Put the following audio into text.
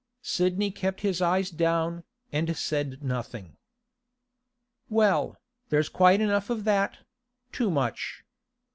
Sidney kept his eyes down, and said nothing. 'Well, there's quite enough of that; too much.